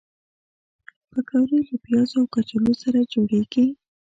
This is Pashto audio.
پکورې له پیازو او کچالو سره جوړېږي